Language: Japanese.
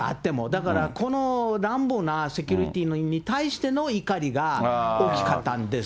だから、この乱暴なセキュリティーに対しての怒りが大きかったんです。